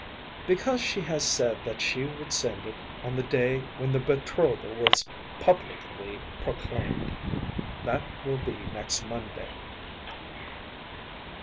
‚ÄĚ “Because she has said that she would send it on the day when the betrothal was publicly proclaimed. That will be next Monday.